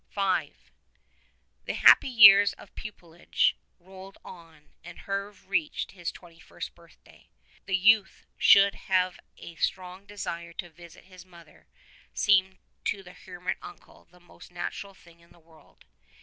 V. The happy years of pupilage rolled on and Herve reached his twenty first birthday. That the youth should have a strong desire to visit his mother seemed to the hermit uncle the most natural thing in the world.